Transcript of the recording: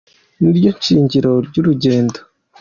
Niryo shingiro ry’urugendo